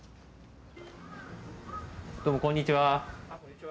どうも、こんにちは。